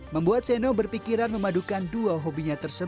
membuat seno berpikiran memadukan dua hobinya